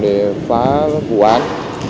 để phá vụ án